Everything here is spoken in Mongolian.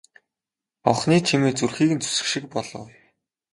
Хонхны чимээ зүрхийг нь зүсэх шиг болов.